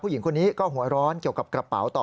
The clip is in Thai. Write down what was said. หญิงคนนี้ก็หัวร้อนเกี่ยวกับกระเป๋าต่อ